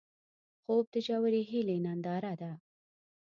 خوب د ژورې هیلې ننداره ده